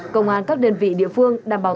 công an các đơn vị địa phương đảm bảo